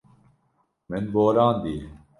Min borandiye.